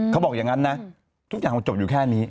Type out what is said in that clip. เขาบอกอย่างนั้นนะทุกอย่างมันจบอยู่แค่นี้